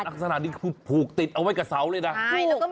ลักษณะนี้คือผูกติดเอาไว้กับเสาเลยนะ